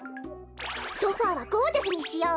ソファーはゴージャスにしよう。